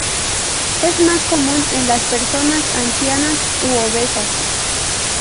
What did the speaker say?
Es más común en las personas ancianas u obesas.